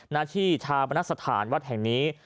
นาธิชาปนัสฐานวัดแห่งนี้